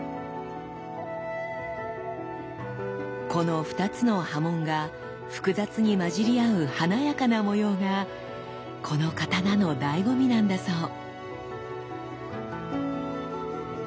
この２つの刃文が複雑に混じり合う華やかな模様がこの刀のだいご味なんだそう。